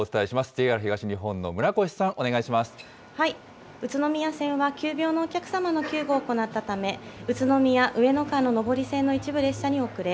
ＪＲ東日本の村越さん、お願いし宇都宮線は急病のお客様の救護を行ったため、宇都宮・上野間の上り線の一部の列車に遅れ。